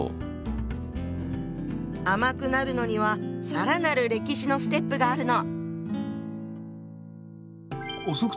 甘くなるのには更なる歴史のステップがあるの。